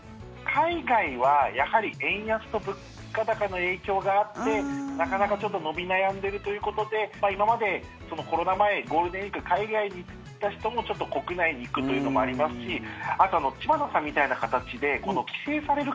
海外はやはり円安と物価高の影響があってなかなかちょっと伸び悩んでるということで今までコロナ前、ゴールデンウィーク海外に行ってた人もちょっと国内に行くというのもありますしあと知花さんみたいな形で帰省される